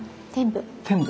天部。